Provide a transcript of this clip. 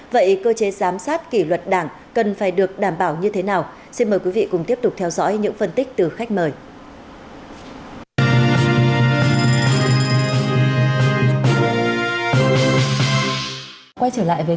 vậy cơ chế giám sát kỷ luật đảng cần phải được đảm bảo như thế nào xin mời quý vị cùng tiếp tục theo dõi những phân tích từ khách mời